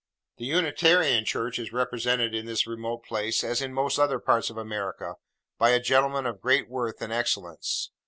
The Unitarian church is represented, in this remote place, as in most other parts of America, by a gentleman of great worth and excellence.